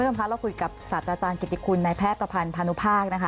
คุณผู้ชมค่ะเราจะคุยกับอาจารย์กิติคุณในแพทย์ประพันธ์พนภาคนะคะ